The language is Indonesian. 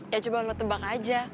ya coba lo tebak aja